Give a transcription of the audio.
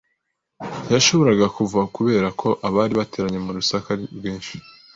Ntiyashoboraga kuvuga kubera ko abari bateranye bari urusaku rwinshi.